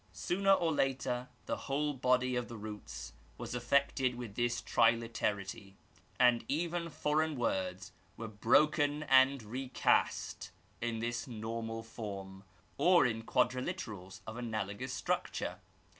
Sooner or later the whole body of the roots was affected with this triliterity, and even foreign words were broken and recast in this normal form, or in quadriliterals of analogous structure.